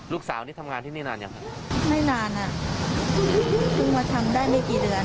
ลูกสาวนี่ทำงานที่นี่นานยังฮะไม่นานอ่ะเพิ่งมาทำได้ไม่กี่เดือน